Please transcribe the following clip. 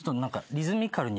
リズミカルに？